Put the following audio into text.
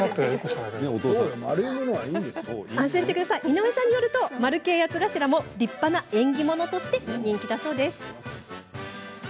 井上さんによると丸系八つ頭も立派な縁起物として人気だそうです。